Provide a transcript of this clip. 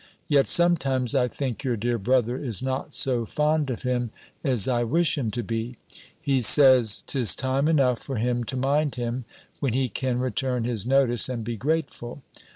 Yet sometimes, I think your dear brother is not so fond of him as I wish him to be. He says, "'tis time enough for him to mind him, when he can return his notice, and be grateful!"